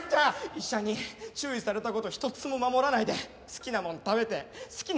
医者に注意された事一つも守らないで好きなもん食べて好きな事やって。